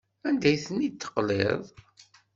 Anda ay ten-id-teqliḍ?